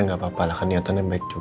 ya gak apa apalah kan niatannya baik juga